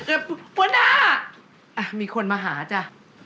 เอ่อบบบันดาฯอ่ะมีคนมาหาจ้ะอ้อ